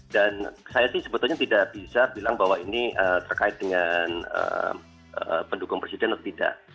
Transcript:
dan saya sih sebetulnya tidak bisa bilang bahwa ini terkait dengan pendukung presiden atau tidak